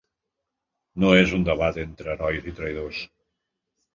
No és un debat entre herois i traïdors.